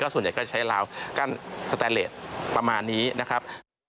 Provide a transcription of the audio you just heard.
ส่วนใหญ่ก็จะใช้ราวกั้นสแตนเลสประมาณนี้นะครับ